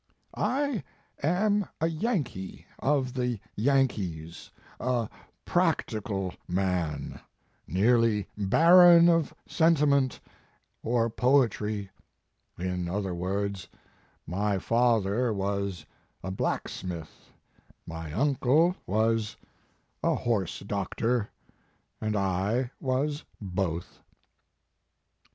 "I am a Yankee of the Yankees, a practical man, nearly barren of sentiment or poetry in other words, my father was a, blacksmith, my uncle was a horse doctor, and I was both."